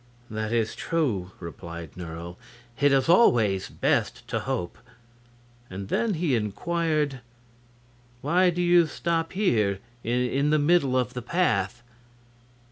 "That is true," replied Nerle; "it is always best to hope." And then he inquired: "Why do you stop here, in the middle of the path?"